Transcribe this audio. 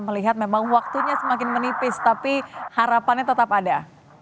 melihat memang waktunya semakin menipis tapi harapannya tetap ada